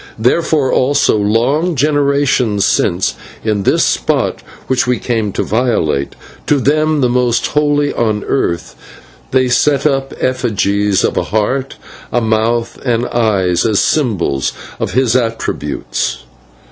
Therefore, also, long generations since, in this spot which we came to violate to them the most holy on the earth they set up effigies of a Heart, a Mouth, and Eyes, as symbols of his attributes.